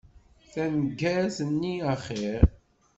Taneggart-nni axir.